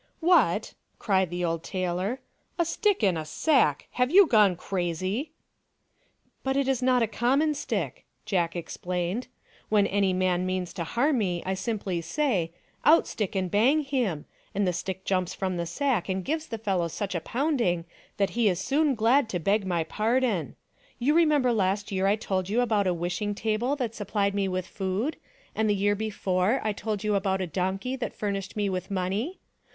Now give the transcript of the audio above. " What !" cried the old tailor, "a stick in a sack ! Have you gone crazy ?"" But it is not a common stick," Jack explained. " When any man means harm to me I simply say, c Out stick, and bang him!' and the stick jumps from the sack and gives the fellow such a pound ing that he is soon glad to beg my pardon. You remember last year I told you about a wishing table 300 THE DONKEY, THE TABLE, AND THE STICK that supplied me with food, and the year before I told you about a donkey that furnished me with money.